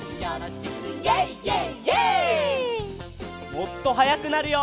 もっとはやくなるよ。